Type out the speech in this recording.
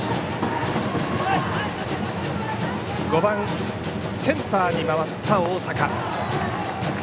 ５番、センターに回った大坂。